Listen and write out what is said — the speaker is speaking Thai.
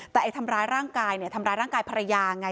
แต่ไอ้ทำร้ายร่างกายเนี่ยทำร้ายร่างกายภรรยาไง